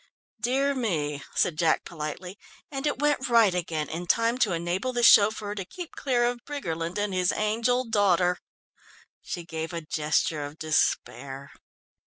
"Dear me," said Jack politely, "and it went right again in time to enable the chauffeur to keep clear of Briggerland and his angel daughter!" She gave a gesture of despair.